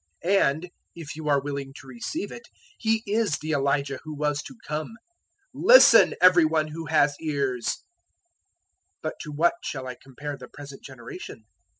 011:014 And (if you are willing to receive it) he is the Elijah who was to come. 011:015 Listen, every one who has ears! 011:016 "But to what shall I compare the present generation?